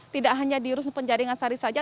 tidak hanya di rusun penjaringan sari saja